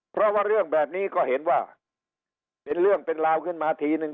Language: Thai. เพราะว่าเรื่องแบบนี้ก็เห็นว่าเป็นเรื่องเป็นราวขึ้นมาทีนึง